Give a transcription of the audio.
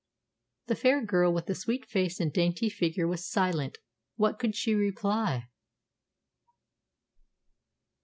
The fair girl with the sweet face and dainty figure was silent. What could she reply?